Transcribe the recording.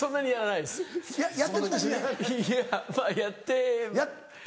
いやまぁやって。